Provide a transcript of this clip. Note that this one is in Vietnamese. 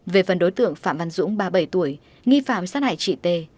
về phần đối tượng phạm văn dũng ba mươi bảy tuổi nghi phạm sát hại chị t